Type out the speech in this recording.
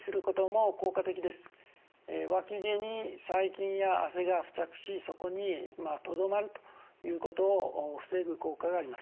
わき毛に細菌や汗が付着しそこにとどまるということを防ぐ効果がありますね。